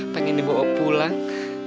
pengen dibawa pulang